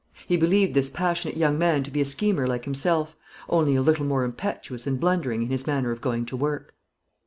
He believed this passionate young man to be a schemer like himself; only a little more impetuous and blundering in his manner of going to work.